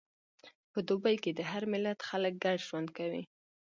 په دوبی کې د هر ملت خلک ګډ ژوند کوي.